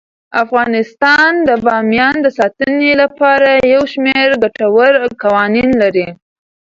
افغانستان د بامیان د ساتنې لپاره یو شمیر ګټور قوانین لري.